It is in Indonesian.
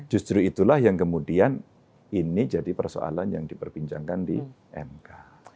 justru itulah yang kemudian ini jadi persoalan yang diperbincangkan di mk